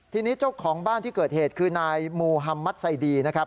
ทีนี้เจ้าของบ้านที่เกิดเหตุคือนายโมฮัมมัสไซดีนะครับ